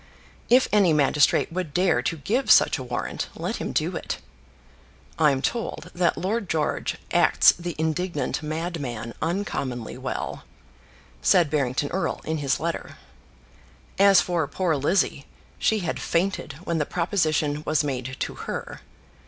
If any magistrate would dare to give such a warrant, let him do it. "I'm told that Lord George acts the indignant madman uncommonly well," said Barrington Erle in his letter. As for poor Lizzie, she had fainted when the proposition was made to her.